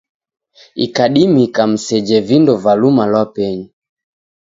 Ikadimika mseje vindo va luma lwa penyu.